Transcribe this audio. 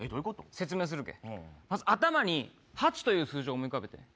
説明するで、まず頭に８という数字を思い浮かべて。